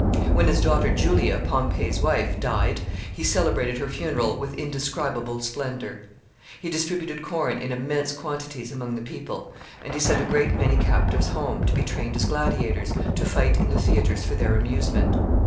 When his daughter Julia, Pompey's wife, died, he celebrated her funeral with indescribable splendor. He distributed corn in immense quantities among the people, and he sent a great many captives home, to be trained as gladiators, to fight in the theaters for their amusement.